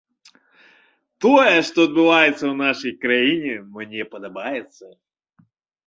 Тое, што адбываецца ў нашай краіне, мне падабаецца.